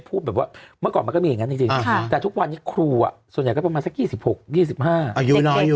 พูดแบบว่าเมื่อก่อนมันก็มีอย่างนั้นจริงแต่ทุกวันนี้ครูส่วนใหญ่ก็ประมาณสัก๒๖๒๕อายุน้อยอยู่